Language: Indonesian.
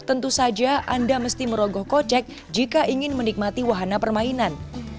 tentu saja anda mesti merogoh kocek jika ingin menikmati wahana permainan